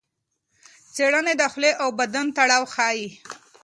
څېړنې د خولې او بدن تړاو ښيي.